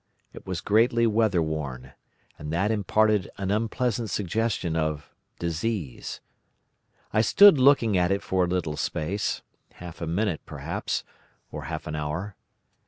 It was greatly weather worn, and that imparted an unpleasant suggestion of disease. I stood looking at it for a little space—half a minute, perhaps, or half an hour.